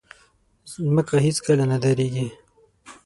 مځکه هیڅکله نه دریږي.